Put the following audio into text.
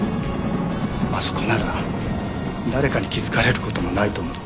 あそこなら誰かに気づかれる事もないと思って。